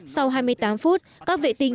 sau hai mươi tám phút các vệ tinh